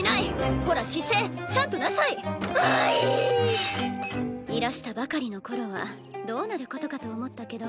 ほら姿勢はいいらしたばかりの頃はどうなることかと思ったけど。